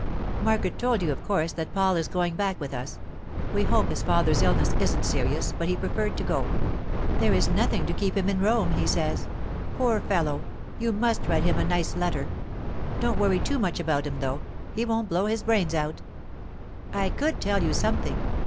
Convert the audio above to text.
'Margaret told you, of course, that Paul is going back with us. We hope his father's illness isn't serious, but he preferred to go. There is nothing to keep him in Rome, he says. Poor fellow! you must write him a nice letter. Don't worry too much about him, though; he won't blow his brains out. 'I could tell you something.